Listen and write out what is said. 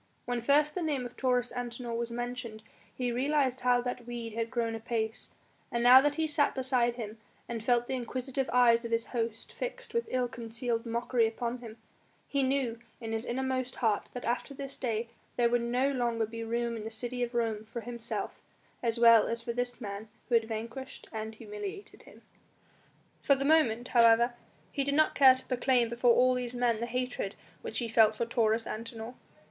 When first the name of Taurus Antinor was mentioned he realised how that weed had grown apace, and now that he sat beside him, and felt the inquisitive eyes of his host fixed with ill concealed mockery upon him, he knew in his innermost heart that after this day there would no longer be room in the city of Rome for himself as well as for this man who had vanquished and humiliated him. For the moment, however, he did not care to proclaim before all these men the hatred which he felt for Taurus Antinor.